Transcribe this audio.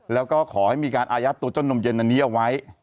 แล้วก็ขอให้มีการอายัดตัวเจ้านมเย็นอันนี้เอาไว้